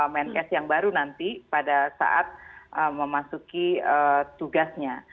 menkes yang baru nanti pada saat memasuki tugasnya